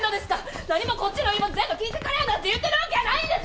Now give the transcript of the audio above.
なにもこっちの言い分全部聞いてくれなんて言ってるわけやないんです！